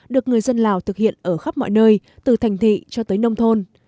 được người dân lào thực hiện ở khắp mọi nơi từ thành thị cho tới nông thôn